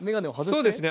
そうですね。